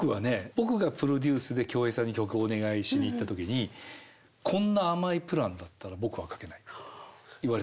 僕がプロデュースで京平さんに曲をお願いしに行った時に「こんな甘いプランだったら僕は書けないな」